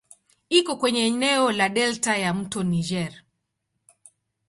Iko kwenye eneo la delta ya "mto Niger".